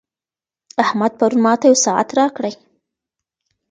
احمد پرون ماته یو ساعت راکړی.